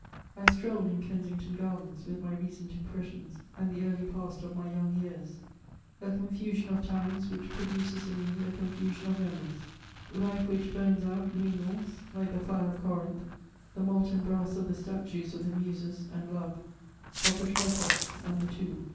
I strolled in Kensington Gardens with my recent impressions and the early past of my young years: a confusion of times which produces in me a confusion of memories; life which burns out mingles, like the fire of Corinth, the molten brass of the statues of the Muses and Love, of the tripods and the tombs.